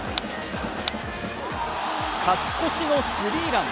勝ち越しのスリーラン